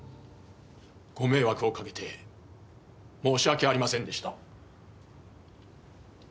ご迷惑をかけて申し訳ありませんでした。